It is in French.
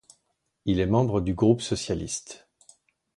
Il est membre du groupe socialiste.